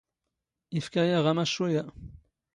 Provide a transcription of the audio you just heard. ⵉⴼⴽⴰ ⴰⵖ ⴰⵎⴰⵛⵛⵓ ⴰ.